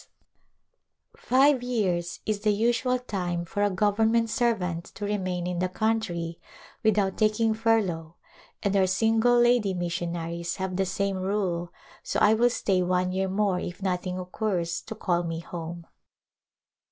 A Glimpse of India Five years is the usual time for a government servant to remain in the country without taking fur lough, and our single lady missionaries have the same rule, so I will stay one year more if nothing occurs to call me home.